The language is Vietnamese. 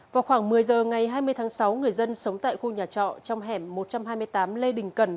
vào khoảng một mươi giờ ngày hai mươi tháng sáu người dân sống tại khu nhà trọ trong hẻm một trăm hai mươi tám lê đình cần